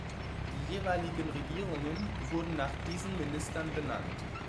Die jeweiligen Regierungen wurden nach diesen Ministern benannt.